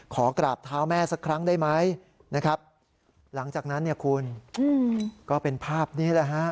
ขอกราบเท้าแม่สักครั้งได้ไหมนะครับหลังจากนั้นเนี่ยคุณก็เป็นภาพนี้แหละฮะ